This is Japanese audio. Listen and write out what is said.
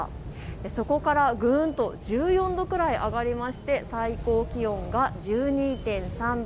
そこからぐんと１４度くらい上がりまして最高気温が１２．３度。